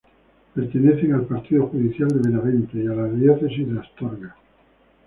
Pertenecen al partido judicial de Benavente y a la Diócesis de Astorga.